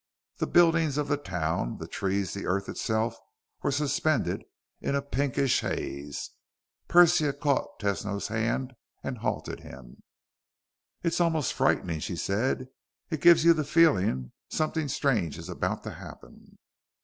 The buildings of the town, the trees, the earth itself were suspended in a pinkish haze. Persia caught Tesno's hand and halted him. "It's almost frightening!" she said. "It gives you the feeling something strange is about to happen."